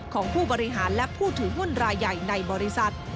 ของผู้บริหารและผู้ถือหุ้นรายใหญ่ในบริษัท